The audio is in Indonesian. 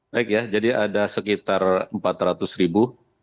baik ya jadi ada sekitar empat ratus ribu